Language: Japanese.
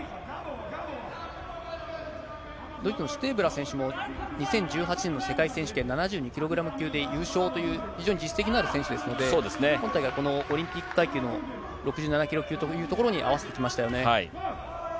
ドイツのシュテーブラー選手も２０１８年の世界選手権７２キログラム級で優勝という、非常に実績のある選手ですので、今回がオリンピック階級の６７キロ級というところに合わせてきましたよね。